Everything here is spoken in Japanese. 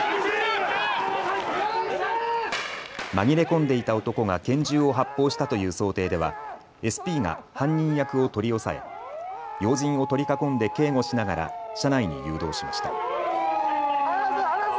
紛れ込んでいた男が拳銃を発砲したという想定ではＳＰが犯人役を取り押さえ要人を取り囲んで警護しながら車内に誘導しました。